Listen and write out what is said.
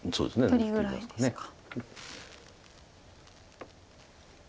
取りぐらいですか。